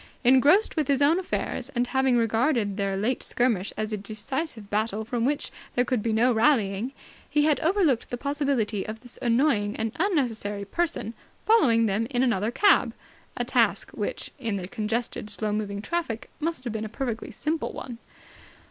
Engrossed with his own affairs, and having regarded their late skirmish as a decisive battle from which there would be no rallying, he had overlooked the possibility of this annoying and unnecessary person following them in another cab a task which, in the congested, slow moving traffic, must have been a perfectly simple one.